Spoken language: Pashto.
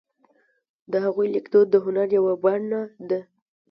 د هغوی لیکدود د هنر یوه بڼه ده.